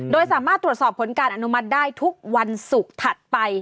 โดยสามารถตรวจสอบผลการอนุมัติได้ทุกวันศุกร์ถัดไป